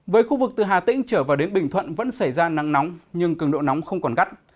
với khu vực từ hà tĩnh trở vào đến bình thuận vẫn xảy ra nắng nóng nhưng cường độ nóng không còn gắt